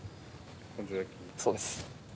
そうです。